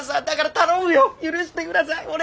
だから頼むよ許してください。